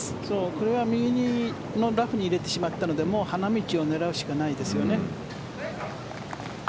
これは右のラフに入れてしまったのでもう花道を狙うしかないですよね。